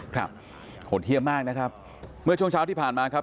โหดเยี่ยมมากนะครับเมื่อช่วงเช้าที่ผ่านมาครับ